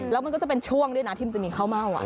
แล้วมันก็จะเป็นช่วงด้วยนะที่มันจะมีข้าวเม่า